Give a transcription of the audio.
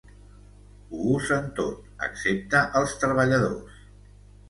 Ho usen tot, excepte els treballadors.